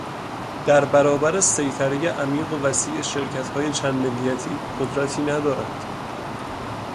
در برابر سیطره ی عمیق و وسیع شرکت های چند ملیتی قدرتی ندارند.